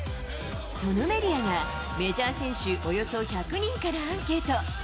そのメディアが、メジャー選手およそ１００人からアンケート。